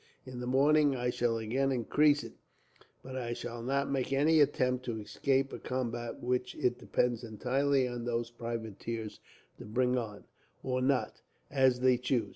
In the morning I shall again increase it, but I shall not make any attempt to escape a combat which it depends entirely on those privateers to bring on, or not, as they choose.